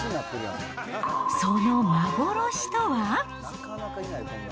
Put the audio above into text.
その幻とは。